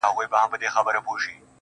o هغه لمرینه نجلۍ تور ته ست کوي.